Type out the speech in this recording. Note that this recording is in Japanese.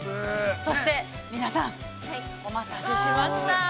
◆そして、皆さんお待たせしました。